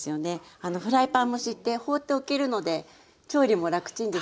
あのフライパン蒸しって放っておけるので調理も楽ちんですよね。